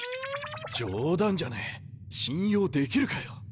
冗談じゃねえ信用できるかよ。